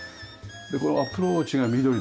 このアプローチが緑で。